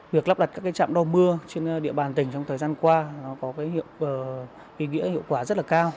việc lắp đặt các trạm đo mưa trên địa bàn tỉnh trong thời gian qua có ý nghĩa hiệu quả rất cao